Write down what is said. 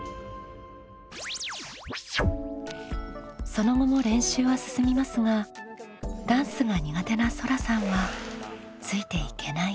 その後も練習は進みますがダンスが苦手なそらさんはついていけない様子。